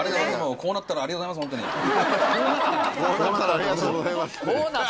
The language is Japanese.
「こうなったらありがとうございます」って。